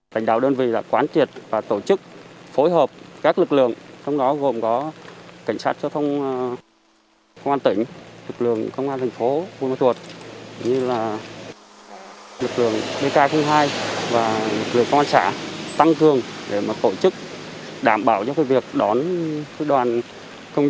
cảnh đạo đơn vị đã quán tiệt và tổ chức phối hợp các lực lượng trong đó gồm có cảnh sát cho phong công an tỉnh lực lượng công an thành phố vua mơ tuột lực lượng bk hai và lực lượng công an xã tăng thường để phổ chức đảm bảo cho việc đón đoàn công dân